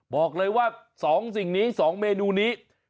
บอกเลยว่า๒สิ่งนี้๒เมนูนี้